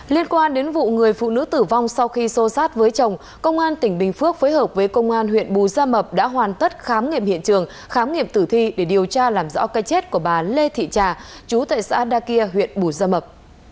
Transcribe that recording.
liên quan đến vụ người phụ nữ tử vong sau khi xô sát với chồng công an tỉnh bình phước phối hợp với công an huyện bù gia mập đã hoàn tất khám nghiệm hiện trường khám nghiệm tử thi để điều tra làm rõ cây chết của bà lê thị trà chú tại xã đa kia huyện bù gia mập